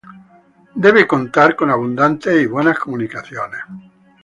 Debe contar con abundantes y buenas comunicaciones.